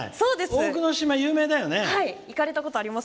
大久野島、有名だよね。